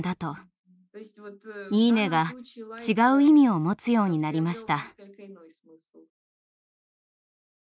「いいね」が違う意味を持つようになりました。